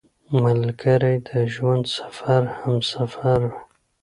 ملګری د ژوند سفر همسفر وي